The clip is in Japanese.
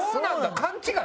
勘違い。